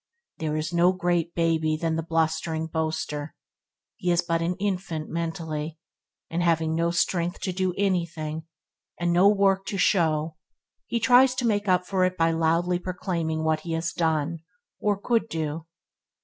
There is no great baby than the blustering boaster. Physically a man, he is but an infant mentally, and having no strength to anything, and no work to show, he tries to make up for it by loudly proclaiming what he has done, or could do.